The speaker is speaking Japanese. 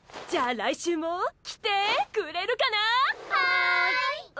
じゃあ来週も来てくれるかな？